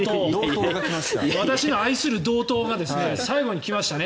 私の愛する道東が最後に来ましたね。